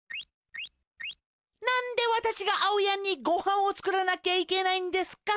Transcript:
なんでわたしがあおやんにごはんをつくらなきゃいけないんですか？